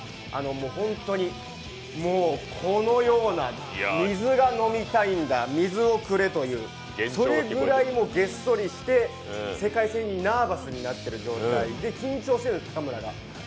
本当にこのような水が飲みたいんだ、水をくれという、それぐらいげっそりして、世界戦にナーバスになっている状態で緊張しているんです、鷹村が。